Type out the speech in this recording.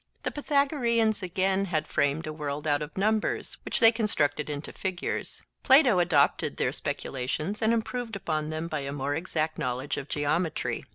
The Pythagoreans again had framed a world out of numbers, which they constructed into figures. Plato adopted their speculations and improved upon them by a more exact knowledge of geometry.